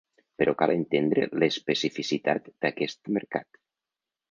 Però cal entendre l’especificitat d’aquest mercat.